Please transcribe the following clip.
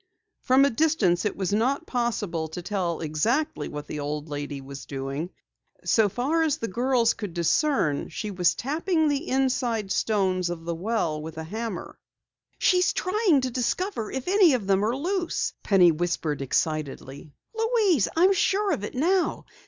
From a distance it was not possible to tell exactly what the old lady was doing. So far as the girls could discern she was tapping the inside stones of the well with a hammer. "She's trying to discover if any of them are loose!" Penny whispered excitedly. "Louise, I'm sure of it now!